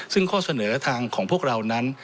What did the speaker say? ซึ่งข้อเสนอทางของพวกเรานั้น